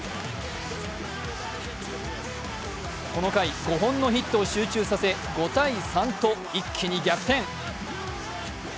この回、５本のヒットを集中させ、５−３と、一気に逆転。